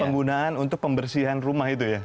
penggunaan untuk pembersihan rumah itu ya